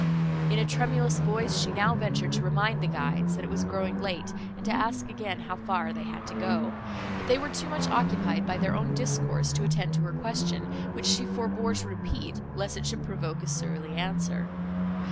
In a tremulous voice, she now ventured to remind the guides, that it was growing late, and to ask again how far they had to go: but they were too much occupied by their own discourse to attend to her question, which she forbore to repeat, lest it should provoke a surly answer.